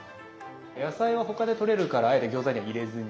野菜は他でとれるからあえて餃子には入れずに。